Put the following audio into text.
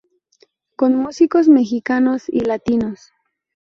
Con músicos mexicanos y latinos.